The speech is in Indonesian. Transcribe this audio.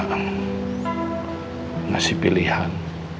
kamu hanya memberi pilihan